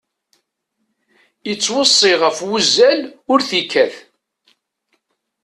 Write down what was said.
Ittweṣṣi ɣef wuzzal ur t-ikkat.